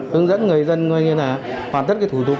hướng dẫn người dân hoàn tất thủ tục